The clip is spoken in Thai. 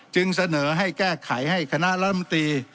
จึงเสนอให้แก้ไขให้คณะรัฐมนตรี